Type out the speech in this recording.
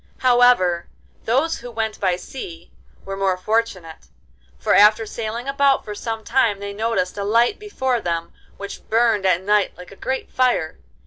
However, those who went by sea were more fortunate, for after sailing about for some time they noticed a light before them which burned at night like a great fire.